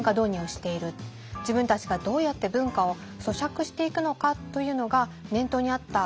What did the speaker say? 自分たちがどうやって文化を咀嚼していくのかというのが念頭にあった。